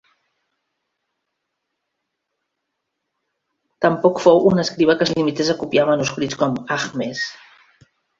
Tampoc fou un escriba que es limités a copiar manuscrits com Ahmes.